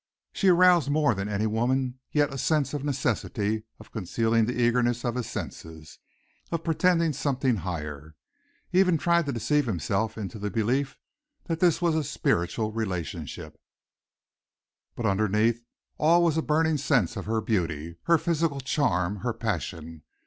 She aroused more than any woman yet a sense of the necessity of concealing the eagerness of his senses of pretending something higher. He even tried to deceive himself into the belief that this was a spiritual relationship, but underneath all was a burning sense of her beauty, her physical charm, her passion.